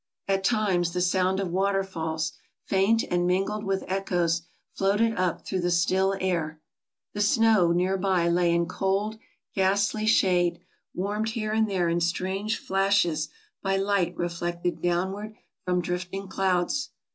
At times the sound of water falls, faint and mingled with echoes, floated up through the still air. The snow near by lay in cold, ghastly shade, warmed here and there in strange flashes by light reflected downward from drifting clouds.